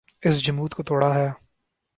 اس جمود کو توڑا ہے۔